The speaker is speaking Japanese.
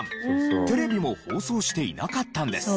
テレビも放送していなかったんです。